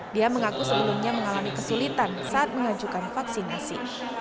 dia mengaku sebelumnya mengalami kesulitan saat mengajukan vaksinasi